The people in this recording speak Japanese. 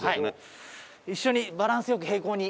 一緒にバランス良く平行に。